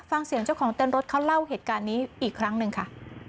ฟังเสียงเจ้าของเต้นรถเขาเล่าเหตุการณ์นี้อีกครั้งหนึ่งค่ะ